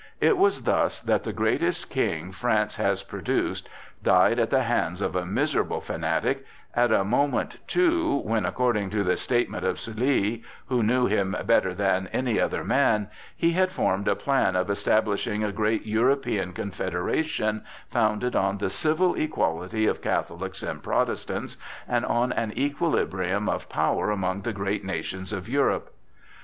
It was thus that the greatest King France has produced died at the hands of a miserable fanatic, at a moment too when, according to the statement of Sully, who knew him better than any other man, he had formed a plan of establishing a great European confederation, founded on the civil equality of Catholics and Protestants and on an equilibrium of power among the great nations of Europe.